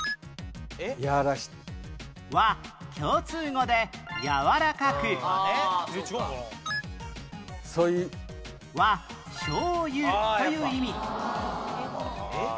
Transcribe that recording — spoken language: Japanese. は共通語で「やわらかく」は「しょうゆ」という意味